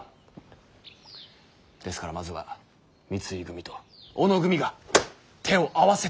ですからまずは三井組と小野組が手を合わせていただきたい。